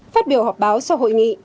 phát biểu họp báo sau hội nghị